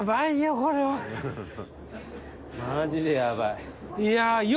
マジでやばい。